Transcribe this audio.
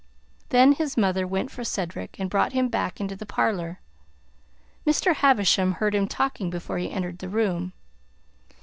Then his mother went for Cedric and brought him back into the parlor. Mr. Havisham heard him talking before he entered the room.